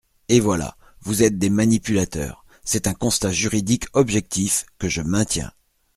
Et voilà ! Vous êtes des manipulateurs ! C’est un constat juridique objectif, que je maintiens.